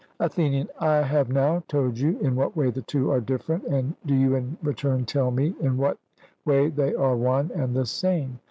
ATHENIAN: I have now told you in what way the two are different, and do you in return tell me in what way they are one and the same.